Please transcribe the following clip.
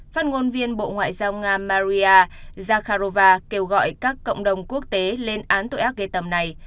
phát ngôn viên bộ ngoại giao nga maria zakharova kêu gọi các cộng đồng quốc tế lên án tội ác gây tầm này